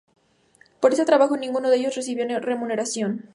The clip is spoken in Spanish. Por ese trabajo ninguno de ellos recibió remuneración.